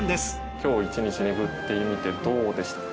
今日１日巡ってみてどうでしたか？